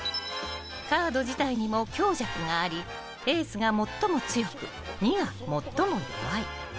カード自体にも強弱がありエースが最も強く、２が最も弱い。